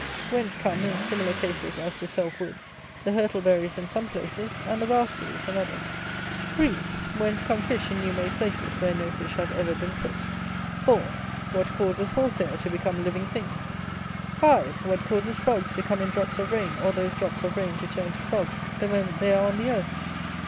Whence come (in similar cases as to self woods) the hurtleberries in some places, and the raspberries in others? 3. Whence come fish in new made places where no fish have ever been put? 4. What causes horse hair to become living things? 5. What causes frogs to come in drops of rain, or those drops of rain to turn to frogs, the moment they are on the earth?